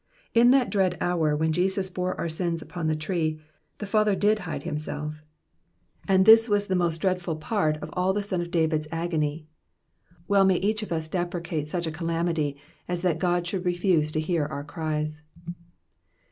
In that dread hour when Jesus bore our sins upon the tree, his Father did bide himself, and this was the most dreadful part of all the Son of David's agony. Well may each of us deprecate such a calamity as that God should refuse to hear our cries.